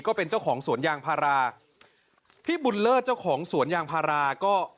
ก็เป็นเจ้าของสวนยางพาราพี่บุญเลิศเจ้าของสวนยางพาราก็